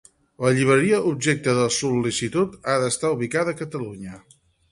La llibreria objecte de la sol·licitud ha d'estar ubicada a Catalunya.